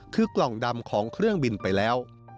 คือกล่องดำของเครื่องบินไปแล้ว